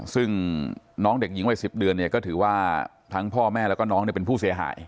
ซึ่งน้องเด็กหญิงวัย๑๐เดือนเนี่ยก็ถือว่าทั้งพ่อแม่แล้วก็น้องเป็นผู้เสียหาย